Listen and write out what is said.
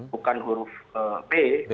bukan huruf b